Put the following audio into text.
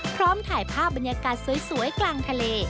พร้อมถ่ายภาพบรรยากาศสวยกลางทะเล